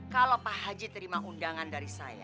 kalau pak haji terima undangan dari saya